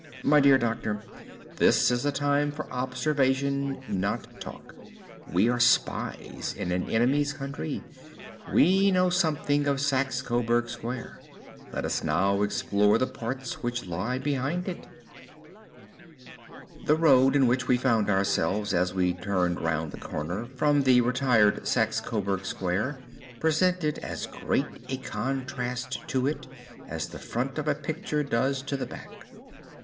"My dear doctor, this is a time for observation, not for talk. We are spies in an enemy's country. We know something of Saxe Coburg Square. Let us now explore the parts which lie behind it." The road in which we found ourselves as we turned round the corner from the retired Saxe Coburg Square presented as great a contrast to it as the front of a picture does to the back.